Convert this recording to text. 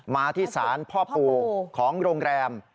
มาที่ศาลพ่อปู่ของโรงแรม